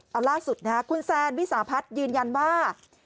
เอาล่าสุดนะฮะคุณแซนวิสาพัฒน์ยืนยันว่า